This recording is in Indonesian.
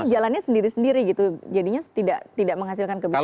tapi jalannya sendiri sendiri gitu jadinya tidak menghasilkan kebijakan